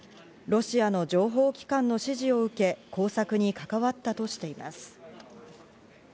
ロシアの情報機関の指示を受け、工作に関わったとしています。